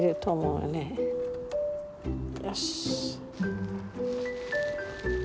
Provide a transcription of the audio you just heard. よし。